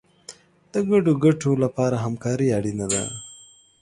د ګډو ګټو لپاره همکاري اړینه ده.